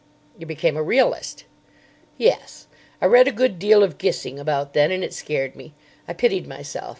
"You became a realist." "Yes; I read a good deal of Gissing about then, and it scared me. I pitied myself.